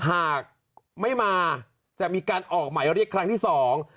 หากไม่มาจะมีการออกหมายเรียกครั้งที่สอง